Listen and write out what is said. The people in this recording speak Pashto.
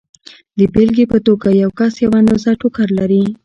د بېلګې په توګه یو کس یوه اندازه ټوکر لري